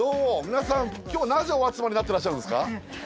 皆さん今日はなぜお集まりになってらっしゃるんですか？